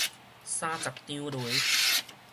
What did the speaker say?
三十張犂